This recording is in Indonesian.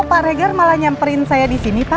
kok pak reger malah nyamperin saya disini pak